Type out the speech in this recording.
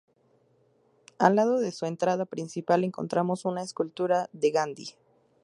Al lado de su entrada principal encontramos una escultura de Gandhi.